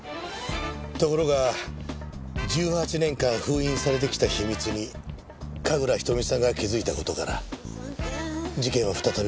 ところが１８年間封印されてきた秘密に神楽瞳さんが気づいた事から事件は再び動き出した。